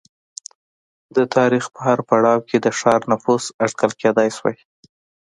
د تاریخ په هر پړاو کې د ښار نفوس اټکل کېدای شوای